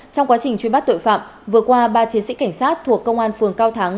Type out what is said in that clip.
trong quá trình truy bắt tội phạm vừa qua ba chiến sĩ cảnh sát thuộc công an phường cao thắng